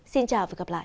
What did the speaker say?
xin chào và gặp lại